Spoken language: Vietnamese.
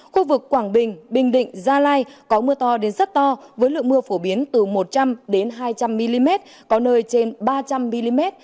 khu vực quảng bình bình định gia lai có mưa to đến rất to với lượng mưa phổ biến từ một trăm linh hai trăm linh mm có nơi trên ba trăm linh mm